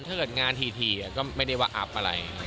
ถ้าเกิดงานทีก็ไม่ได้ว่าอัพอะไร